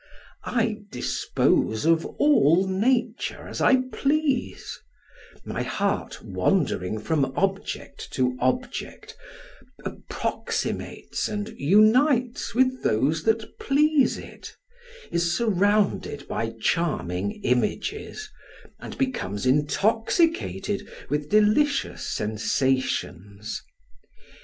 I dispose of all nature as I please; my heart wandering from object to object, approximates and unites with those that please it, is surrounded by charming images, and becomes intoxicated with delicious sensations.